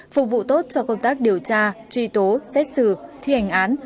phục vụ tốt cho công tác điều tra truy tố xét xử thi hành án